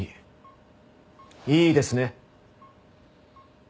いいですね？